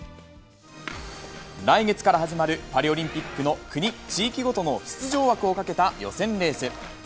来月から始まる、パリオリンピックの国・地域ごとの出場枠をかけた予選レース。